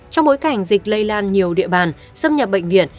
trong bối cảnh dịch lây lan nhiều địa bàn xâm nhập bệnh viện